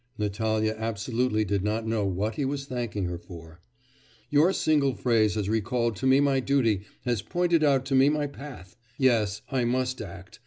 (Natalya absolutely did not know what he was thanking her for.) 'Your single phrase has recalled to me my duty, has pointed out to me my path.... Yes, I must act.